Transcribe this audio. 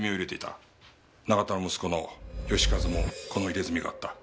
永田の息子の佳和もこの入れ墨があった。